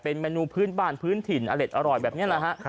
เป็นเมนูพื้นบ้านเอเลชอร่อยแบบนี้นะฮะ